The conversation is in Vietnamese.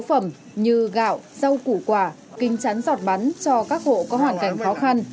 cho tặng các nhu yếu phẩm như gạo rau củ quả kinh chắn giọt bắn cho các hộ có hoàn cảnh khó khăn